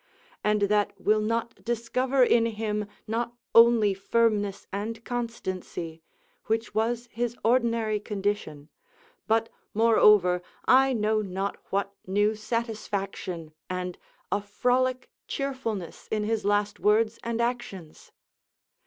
and that will not discover in him not only firmness and constancy (which was his ordinary condition), but, moreover, I know not what new satisfaction, and a frolic cheerfulness in his last words and actions?